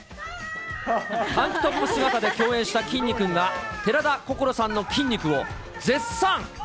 タンクトップ姿で共演したきんに君が、寺田心さんの筋肉を絶賛。